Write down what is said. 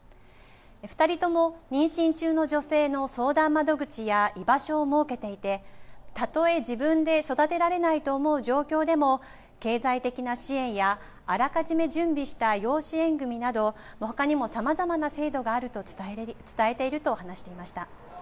２人とも妊娠中の女性の相談窓口や居場所を設けていて、たとえ自分で育てられないと思う状況でも、経済的な支援や、あらかじめ準備した養子縁組みなど、ほかにも、さまざまな制度があると伝えていると話していました。